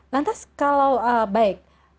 lantas kalau baik